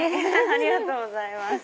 ありがとうございます。